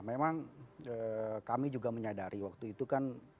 memang kami juga menyadari waktu itu kan